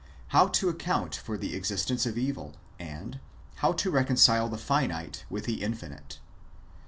How to account for the existence of evil ; and, How to recon cile the finite with the infinite.